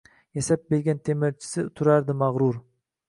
Yasab bergan temirchisi turardi mag’rur.